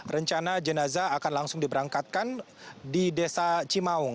rencana jenazah akan langsung diberangkatkan di desa cimaung